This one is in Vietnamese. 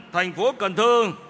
thành phố cần thơ